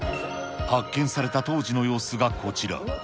発見された当時の様子がこちら。